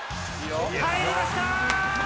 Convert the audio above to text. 入りました！